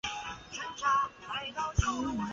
二甲基甲醯胺是利用甲酸和二甲基胺制造的。